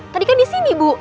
tadi kan disini ibu